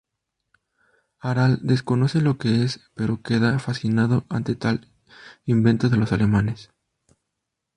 Harald desconoce lo que es, pero queda fascinado ante tal invento de los alemanes.